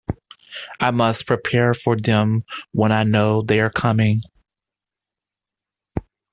I must prepare for them when I know they are coming.